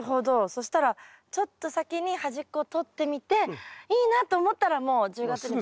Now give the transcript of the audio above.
そしたらちょっと先に端っこをとってみていいなと思ったらもう１０月に。